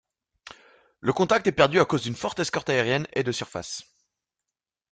Le contact est perdu à cause d'une forte escorte aérienne et de surface.